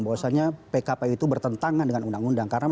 bahwasannya pkpu itu bertentangan dengan undang undang